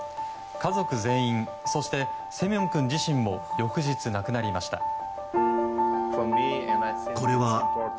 家族全員そしてセミョン君自身も翌日、亡くなりました。